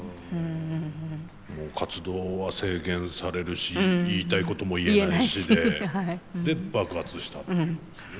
活動は制限されるし言いたいことも言えないしでで爆発したっていうことですね。